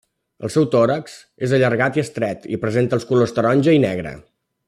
El seu tòrax és allargat i estret i presenta els colors taronja i negre.